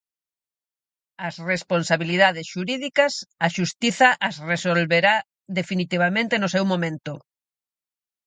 As responsabilidades xurídicas a xustiza as resolverá definitivamente no seu momento.